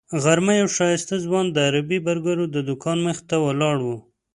غرمه یو ښایسته ځوان د عربي برګرو د دوکان مخې ته ولاړ و.